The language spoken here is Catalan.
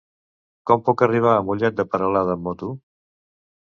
Com puc arribar a Mollet de Peralada amb moto?